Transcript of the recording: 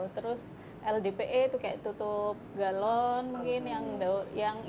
terus ldpe itu kayak tutup galon mungkin yang